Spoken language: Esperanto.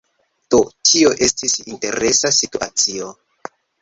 Do, tio estis interesa situacio.